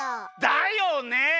だよね。